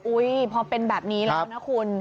พอเป็นแบบนี้แล้วนะคุณ